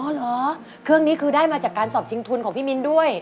เหรอเครื่องนี้คือได้มาจากการสอบชิงทุนของพี่มิ้นด้วย